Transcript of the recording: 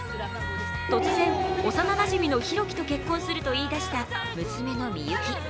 突然、幼なじみの大樹と結婚すると言い出した、娘のみゆき。